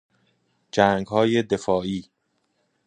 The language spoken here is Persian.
جنگهای دفاعی